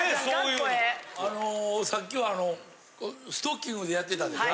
あのさっきはストッキングでやってたでしょ？